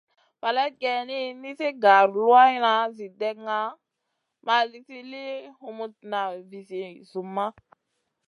Faleyd geyni, nizi gar luanʼna zi dena ma li humutna vizi zumma.